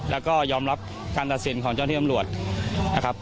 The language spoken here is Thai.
แล้วก็ยอมรับการตัดสินของเจ้าที่ตำรวจนะครับ